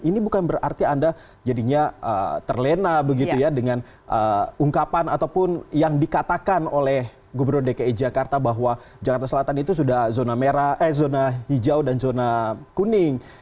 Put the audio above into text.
ini bukan berarti anda jadinya terlena begitu ya dengan ungkapan ataupun yang dikatakan oleh gubernur dki jakarta bahwa jakarta selatan itu sudah zona hijau dan zona kuning